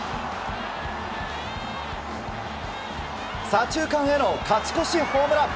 左中間への勝ち越しホームラン！